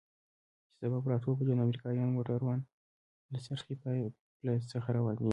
چې سبا پر اتو بجو د امريکايانو موټران له څرخي پله څخه روانېږي.